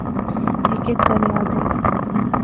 ہیک ہیک گل یاد آئی